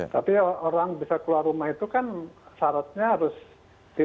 tapi orang bisa keluar rumah itu kan syaratnya harus di